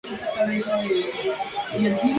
Tras este, tiene lugar la eucaristía.